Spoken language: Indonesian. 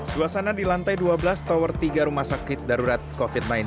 suasana di lantai dua belas tower tiga rumah sakit darurat covid sembilan belas